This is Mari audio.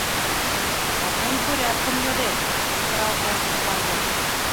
— Закон порядкым йодеш! — кычкырал колтыш Лазыр.